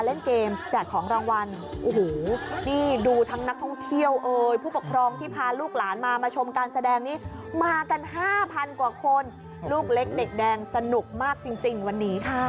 เล็กเน็กแดงสนุกมากจริงวันนี้ค่ะ